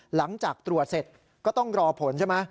หลังจากตรวจเสร็จก็ต้องรอผลใช่ไหม